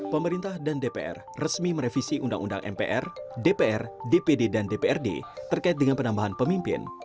pemerintah dan dpr resmi merevisi undang undang mpr dpr dpd dan dprd terkait dengan penambahan pemimpin